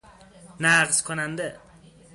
نقض کننده